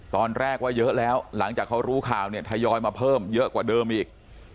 ตอนแรกว่าเยอะแล้วหลังจากเขารู้ข่าวเนี่ยทยอยมาเพิ่มเยอะกว่าเดิมอีก